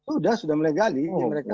sudah sudah melegali yang mereka